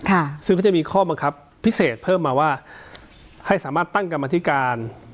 ค่ะซึ่งเขาจะมีข้อบังคับพิเศษเพิ่มมาว่าให้สามารถตั้งกรรมธิการ